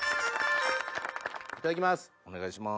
いただきます。